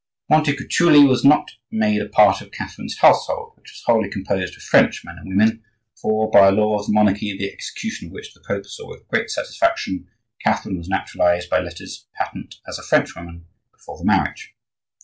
Montecuculi was not made a part of Catherine's household, which was wholly composed of French men and women, for, by a law of the monarchy, the execution of which the Pope saw with great satisfaction, Catherine was naturalized by letters patent as a Frenchwoman before the marriage.